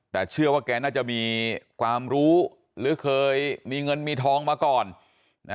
แต่เชื่อว่าแกน่าจะมีความรู้หรือเคยมีเงินมีทองมาก่อนนะ